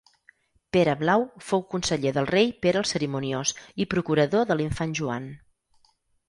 Pere Blau fou conseller del rei Pere el Cerimoniós i procurador de l'infant Joan.